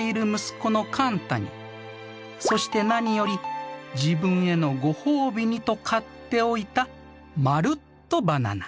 そして何より自分へのご褒美にと買っておいたまるっとバナナ。